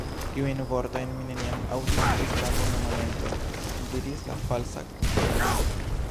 "Tiujn vortojn mi neniam aŭdis ĝis la nuna momento," diris la Falsa Kelonio.